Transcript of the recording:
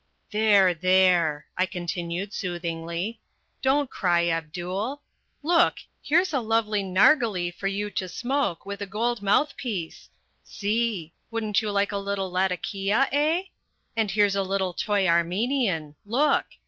"There, there," I continued soothingly. "Don't cry, Abdul. Look! Here's a lovely narghileh for you to smoke, with a gold mouthpiece. See! Wouldn't you like a little latakia, eh? And here's a little toy Armenian look!